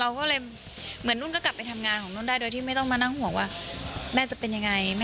ก็เลยเหมือนนุ่นก็กลับไปทำงานของนุ่นได้โดยที่ไม่ต้องมานั่งห่วงว่าแม่จะเป็นยังไง